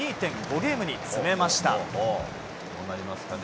ゲームに詰めました。